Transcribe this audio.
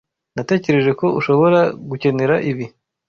Natekereje ko ushobora gukenera ibi.